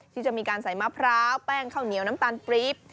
ที่จะมีการใส่มะพร้าวแป้งข้าวเหนียวน้ำตาลปรี๊บ